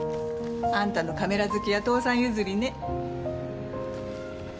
あんたのカメラ好きは父さん譲りね。